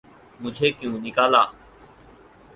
'مجھے کیوں نکالا؟